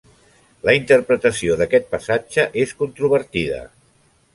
La interpretació d'aquest passatge és controvertida.